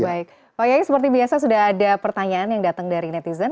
baik pak yayi seperti biasa sudah ada pertanyaan yang datang dari netizen